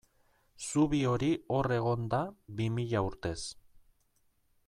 Zubi hori hor egon da bi mila urtez.